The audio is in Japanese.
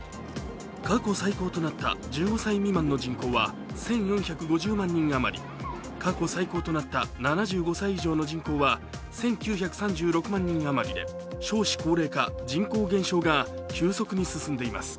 過去最低となった１５歳未満の人口は１４５０万人あまり、過去最高となった７５歳以上の人口は１９３６万人余りで少子高齢化、人口減少が球速に進んでいます。